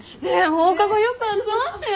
放課後よく集まったよね。